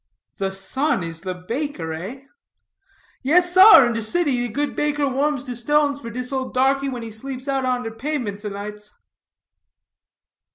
"The sun is the baker, eh?" "Yes sar, in der city dat good baker warms der stones for dis ole darkie when he sleeps out on der pabements o' nights."